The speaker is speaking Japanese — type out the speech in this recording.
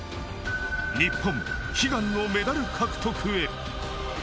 日本悲願のメダル獲得へ。